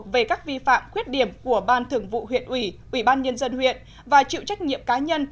về các vi phạm khuyết điểm của ban thường vụ huyện ủy ubnd huyện và chịu trách nhiệm cá nhân